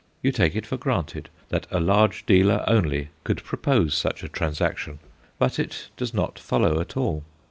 You take it for granted that a large dealer only could propose such a transaction. But it does not follow at all.